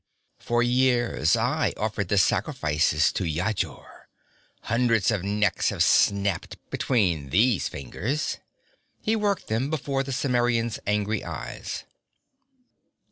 'For years I offered the sacrifices to Yajur. Hundreds of necks have snapped between these fingers ' he worked them before the Cimmerian's angry eyes.